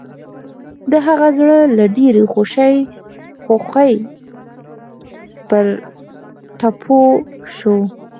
د هغه زړه له ډېرې خوښۍ پر ټوپو شو.